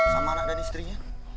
sama anak dan istrinya